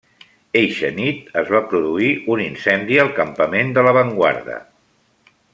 Eixa nit, es va produir un incendi al campament de l'avantguarda.